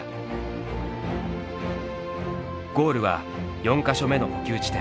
ゴールは４か所目の補給地点